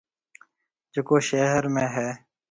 جڪو شهر ۾ هيَ۔